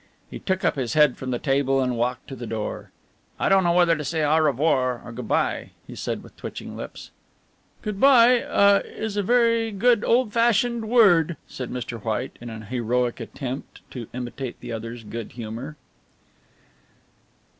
He took up his hat from the table and walked to the door. "I don't know whether to say au revoir or good bye," he said with twitching lips. "Good bye ah is a very good old fashioned word," said Mr. White, in an heroic attempt to imitate the other's good humour.